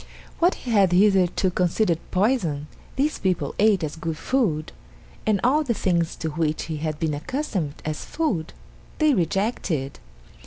What he had hitherto considered poison these people ate as good food, and all the things to which he had been accustomed as food they rejected.